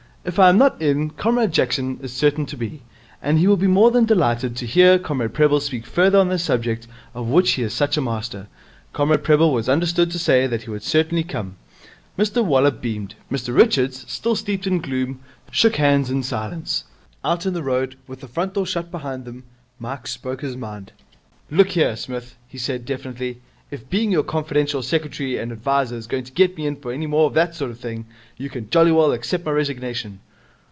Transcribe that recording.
If I am not in, Comrade Jackson is certain to be, and he will be more than delighted to hear Comrade Prebble speak further on the subject of which he is such a master.' Comrade Prebble was understood to say that he would certainly come. Mr Waller beamed. Mr Richards, still steeped in gloom, shook hands in silence. Out in the road, with the front door shut behind them, Mike spoke his mind. 'Look here, Smith,' he said definitely, 'if being your confidential secretary and adviser is going to let me in for any more of that sort of thing, you can jolly well accept my resignation.'